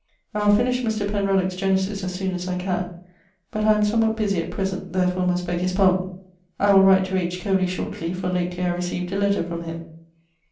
I will finish Mr. Penruduck's[CB] genesis as soone as I can; but I am somewhat bussy att present; therefore must begge his pardon. I will write to H. Coley shortly, for lately I received a letter from him.